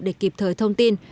để kịp thời thông tin